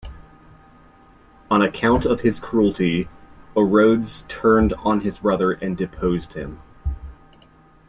On account of his cruelty, Orodes turned on his brother and deposed him.